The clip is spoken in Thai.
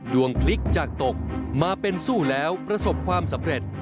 ดวงพลิกจากตกมาเป็นสู้แล้วประสบความสำเร็จ